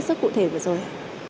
rất cụ thể vừa rồi